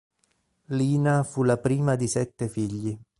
Lina fu la prima di sette figli.